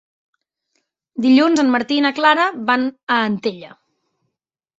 Dilluns en Martí i na Clara van a Antella.